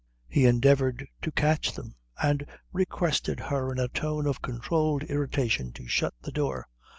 He endeavoured to catch them, and requested her in a tone of controlled irritation to shut the door.